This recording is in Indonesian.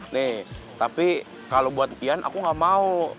nih tapi kalau buat iyan aku nggak mau